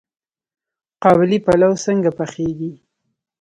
قابلي پلاو څنګه پخیږي؟